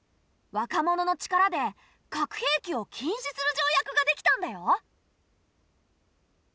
若者の力で核兵器を禁止する条約ができたんだよ！